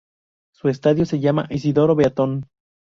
Su estadio se llama Isidoro Beaton.